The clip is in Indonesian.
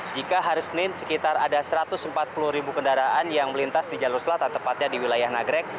jika hari senin sekitar ada satu ratus empat puluh ribu kendaraan yang melintas di jalur selatan tepatnya di wilayah nagrek